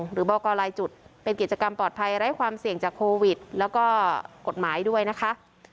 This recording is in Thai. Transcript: หรือบอกกรลายจุดเป็นกิจกรรมปลอดภัยไร้ความเสี่ยงจากโควิดแล้วก็กฎหมายด้วยนะคะ